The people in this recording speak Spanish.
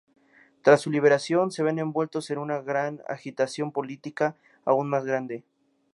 Tras su liberación, se ven envueltos en una agitación política aún más grande.